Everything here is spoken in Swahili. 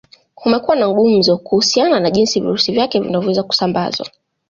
Kumekuwa na gumzo kuhusiana na jinsi virusi vyake vinavyoweza kusambazwa